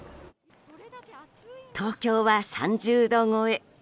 東京は３０度超え。